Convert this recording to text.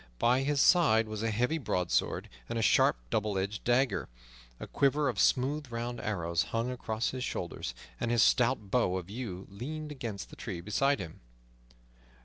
By his side was a heavy broadsword and a sharp, double edged dagger. A quiver of smooth round arrows hung across his shoulders, and his stout bow of yew leaned against the tree beside him.